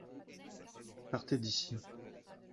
Partez d'ici.